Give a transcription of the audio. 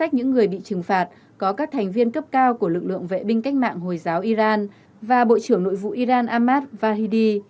những người bị trừng phạt có các thành viên cấp cao của lực lượng vệ binh cách mạng hồi giáo iran và bộ trưởng nội vụ iran ahmad vahidi